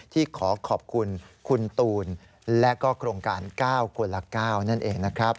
ที่ขอขอบคุณคุณตูนและก็โครงการ๙คนละ๙นั่นเองนะครับ